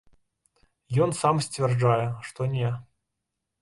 Ён сам сцвярджае, што не.